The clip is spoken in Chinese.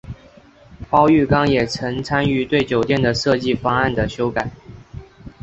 包玉刚也曾参与对酒店的设计方案的修改。